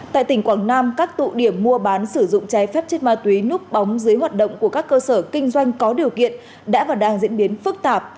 tại tỉnh quảng nam các tụ điểm mua bán sử dụng trái phép chất ma túy núp bóng dưới hoạt động của các cơ sở kinh doanh có điều kiện đã và đang diễn biến phức tạp